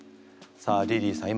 さあリリーさん